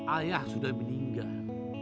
ayah sudah meninggal